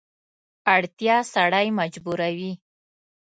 اړتیا سړی مجبوروي.